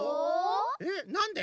えっなんで？